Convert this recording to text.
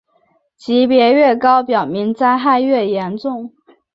级别越高表明灾害越严重。